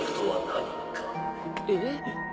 えっ？